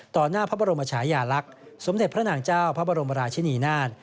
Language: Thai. หน้าพระบรมชายาลักษณ์สมเด็จพระนางเจ้าพระบรมราชินีนาฏ